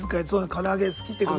からあげ好きってこと。